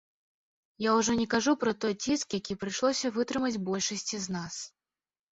Я ўжо не кажу пра той ціск, які прыйшлося вытрымаць большасці з нас.